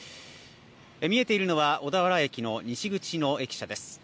見えているのは小田原駅の西口の駅舎です。